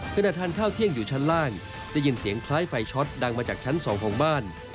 ทานข้าวเที่ยงอยู่ชั้นล่างได้ยินเสียงคล้ายไฟช็อตดังมาจากชั้น๒ของบ้าน